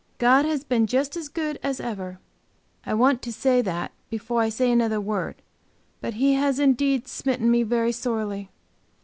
"God has been just as good as ever"; I want to say that before I say another word. But He has indeed smitten me very sorely.